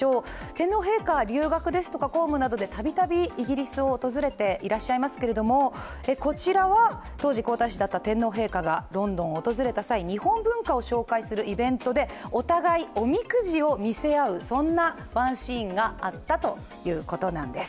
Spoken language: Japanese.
天皇陛下、留学ですとか公務で度々イギリスを訪れていますがこちらは当時皇太子だった天皇陛下がロンドンを訪れた際日本文化を紹介するイベントでお互いおみくじを見せ合うそんなワンシーンがあったということなんです。